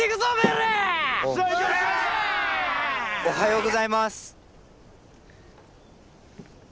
おはようございます！